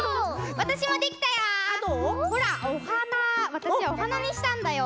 わたしおはなにしたんだよ。